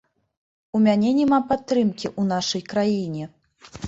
У мяне няма падтрымкі ў нашай краіне.